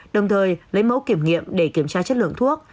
đồng thời lấy mẫu kiểm nghiệm để kiểm tra chất lượng thuốc